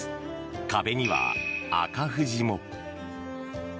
壁には赤富士も。